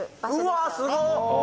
うわっすごっ！